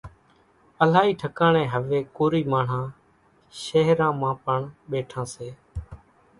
الائِي ٺڪاڻين هويَ ڪوري ماڻۿان شيۿران مان پڻ ٻيٺان سي۔